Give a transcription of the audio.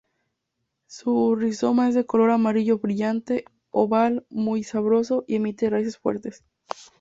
Su rizoma es de color amarillo brillante, oval, muy sabroso, y emite raíces fuertes.